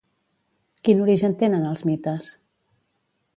Quin origen tenen els mites?